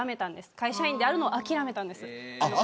会社員でいるのを諦めたんです。